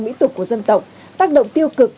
mỹ tục của dân tộc tác động tiêu cực